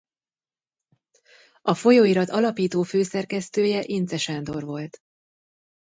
A folyóirat alapító-főszerkesztője Incze Sándor volt.